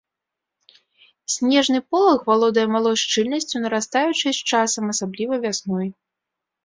Снежны полаг валодае малой шчыльнасцю, нарастаючай з часам, асабліва вясной.